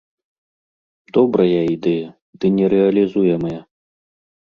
Добрая ідэя, ды нерэалізуемая.